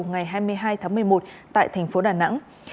ngày hai mươi hai tháng một mươi một tại thành phố đà nẵng